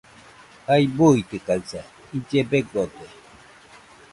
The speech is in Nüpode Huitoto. Jai buitɨkaɨsa , ille begode.